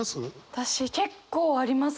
私結構ありますね。